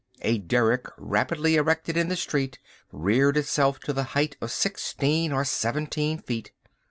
A derrick rapidly erected in the street reared itself to the height of sixteen or seventeen feet.